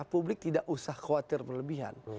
publik tidak usah khawatir berlebihan